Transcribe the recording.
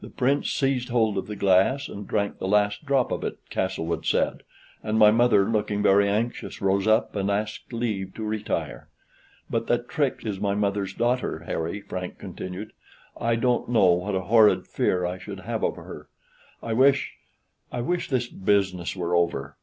"The Prince seized hold of the glass and drank the last drop of it," Castlewood said, "and my mother, looking very anxious, rose up and asked leave to retire. But that Trix is my mother's daughter, Harry," Frank continued, "I don't know what a horrid fear I should have of her. I wish I wish this business were over.